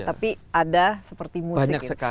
tapi ada seperti musik